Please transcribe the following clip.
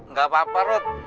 gak apa apa rudy